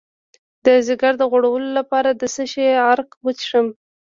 د ځیګر د غوړ لپاره د څه شي عرق وڅښم؟